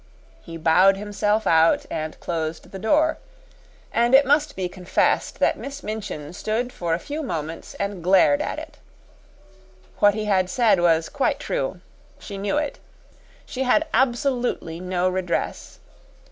He bowed himself out and closed the door, and it must be confessed that Miss Minchin stood for a few moments and glared at it. What he had said was quite true. She knew it. She had absolutely no redress.